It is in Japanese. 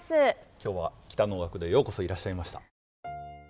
今日は喜多能楽堂へようこそいらっしゃいました。